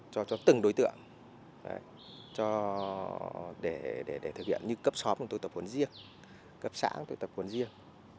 cho cho từng đối tượng để thực hiện như cấp xóm chúng tôi tập huấn riêng cấp xã tôi tập huấn riêng